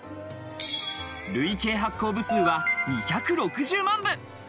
累計発行部数は２６０万部。